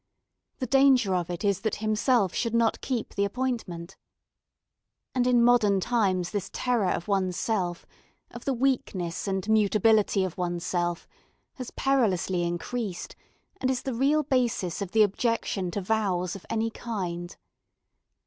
The danger of it is that himself should not keep the appointment. And in modern times this terror of one's self, of the weakness and mutability of one's self, has perilously increased, and is the real basis of the objection to vows of any kind.